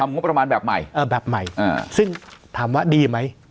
งบประมาณแบบใหม่เออแบบใหม่ซึ่งถามว่าดีไหม